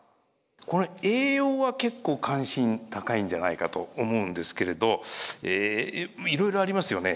この栄養は結構関心高いんじゃないかと思うんですけれどいろいろありますよね。